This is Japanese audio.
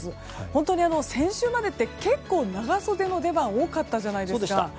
本当に先週までって結構、長袖の出番が多かったじゃないですか。